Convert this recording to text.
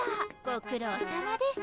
ご苦労さまです。